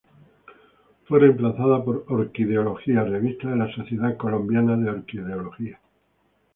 Fue reemplazada por "Orquideología; Revista de la Sociedad Colombiana de Orquideología".